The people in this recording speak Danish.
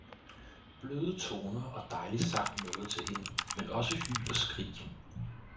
Bløde toner og dejlig sang nåede til hende, men også hyl og skrig